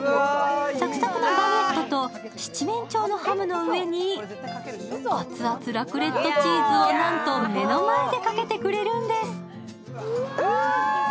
サクサクのバゲットと七面鳥のハムの上に熱々ラクレットチーズをなんと目の前でかけてくれるんです。